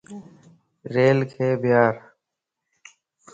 ريلک ڀيار